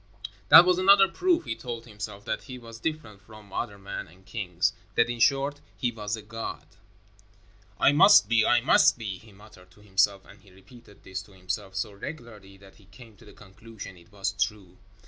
That was another proof, he told himself, that he was different from other men and kings that, in short, he was a god. "I must be, I must be," he muttered to himself, and he repeated this to himself so regularly that he came to the conclusion it was true.